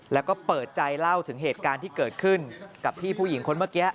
แล้วก็เปิดใจเล่าถึงเหตุการณ์ที่เกิดขึ้นกับพี่ผู้หญิงคนเมื่อกี้